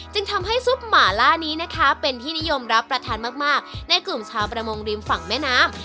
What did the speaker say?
จึงทำให้ซุปหมาล่านี้นะคะเป็นที่นิยมรับประทานมากในกลุ่มชาวประมงริมฝั่งแม่น้ำ